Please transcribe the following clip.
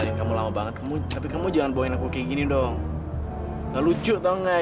sampai jumpa di video selanjutnya